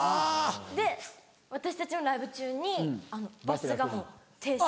で私たちのライブ中にバスが停車。